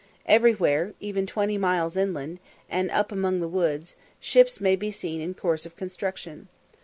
Everywhere, even twenty miles inland, and up among the woods, ships may be seen in course of construction.